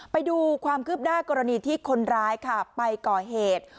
ไปดูความคืบหน้ากรณีที่คนร้ายค่ะไปก่อเหตุ